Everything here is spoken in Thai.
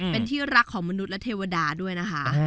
เป็นที่รักของมนุษย์และเทวดาด้วยนะคะ